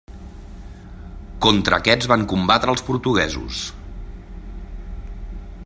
Contra aquests van combatre els portuguesos.